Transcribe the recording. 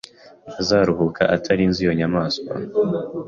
Ntazaruhuka atarinze iyo nyamaswa